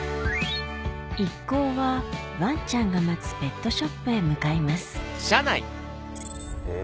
一行はワンちゃんが待つペットショップへ向かいますええ